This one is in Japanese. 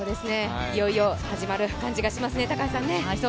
いよいよ始まる感じがしますね。